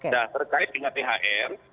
nah terkait dengan thr